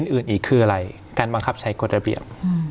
อื่นอีกคืออะไรการบังคับใช้กฎระเบียบ